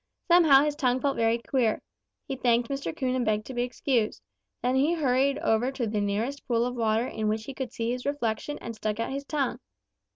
Somehow his tongue felt very queer. He thanked Mr. Coon and begged to be excused. Then he hurried over to the nearest pool of water in which he could see his reflection and stuck out his tongue.